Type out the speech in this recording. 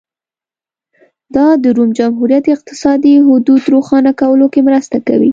دا د روم جمهوریت اقتصادي حدود روښانه کولو کې مرسته کوي